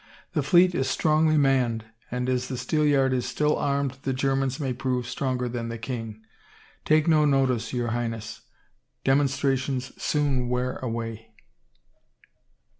"The fleet is strongly manned and as the Steelyard is still armed the Germans may prove stronger than the king. ... Take no notice, your Highness. Demonstrations soon wear away."